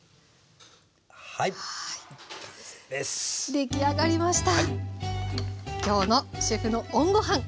出来上がりました。